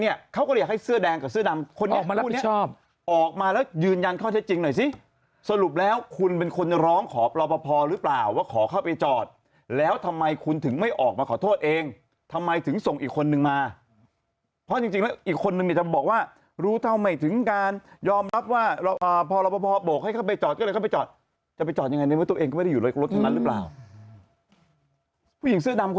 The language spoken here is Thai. ยืนยังเข้าเท็จจริงหน่อยสิสรุปแล้วคุณเป็นคนร้องขอรปภอหรือเปล่าว่าขอเข้าไปจอดแล้วทำไมคุณถึงไม่ออกมาขอโทษเองทำไมถึงส่งอีกคนนึงมาเพราะจริงแล้วอีกคนนึงเนี่ยจะบอกว่ารู้เท่าไหมถึงการยอมรับว่าพอรปภอบอกให้เข้าไปจอดก็เลยเข้าไปจอดจะไปจอดยังไงเนี่ยว่าตัวเองก็ไม่ได้อยู่รถรถทั้ง